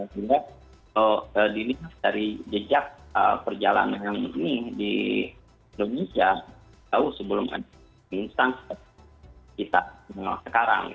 jadi dari jejak perjalanan yang ini di indonesia tahu sebelum ada nusantara kita mengenalkan sekarang